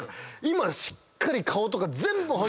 今しっかり顔とか。